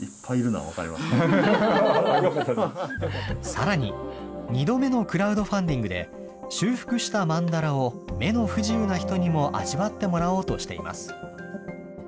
さらに、２度目のクラウドファンディングで、修復したまんだらを目の不自由な人にも味わってもらおうとしています。